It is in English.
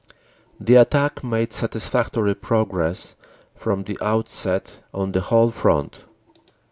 The attack made satisfactory progress from the outset on the whole front.